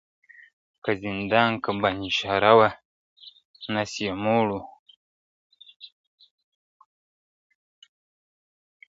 که زندان که پنجره وه نس یې موړ وو `